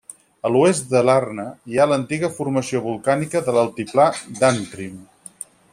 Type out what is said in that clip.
A l'oest de Larne hi ha l'antiga formació volcànica de l'altiplà d'Antrim.